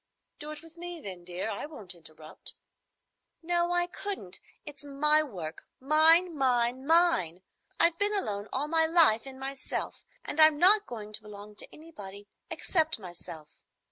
"Do it with me, then, dear. I won't interrupt." "No, I couldn't. It's my work,—mine,—mine,—mine! I've been alone all my life in myself, and I'm not going to belong to anybody except myself.